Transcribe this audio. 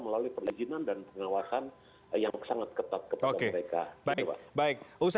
melalui perizinan dan pengawasan